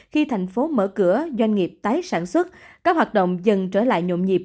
khi thành phố mở cửa doanh nghiệp tái sản xuất các hoạt động dần trở lại nhộn nhịp